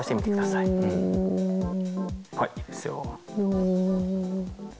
いいですよ。